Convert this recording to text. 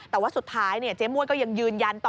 แต่ว่าสุดท้ายเจ๊มวดก็ยังยืนยันต่อ